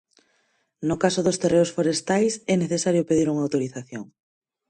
No caso dos terreos forestais, é necesario pedir unha autorización.